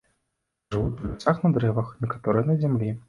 Жывуць у лясах на дрэвах, некаторыя на зямлі.